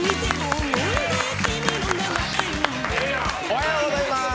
おはようございます。